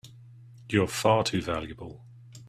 You're far too valuable!